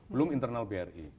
belum internal bri